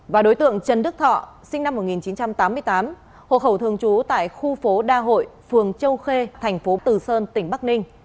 và đối tượng trần đức thọ sinh năm một nghìn chín trăm tám mươi tám hộ khẩu thường trú tại khu phố đa hội phường châu khê thành phố từ sơn tỉnh bắc ninh